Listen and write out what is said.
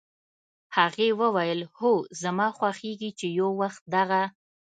هغې وویل: "هو، زما خوښېږي چې یو وخت دغه